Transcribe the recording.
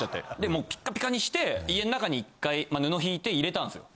もうピッカピカにして家の中に１回布ひいて入れたんすよ。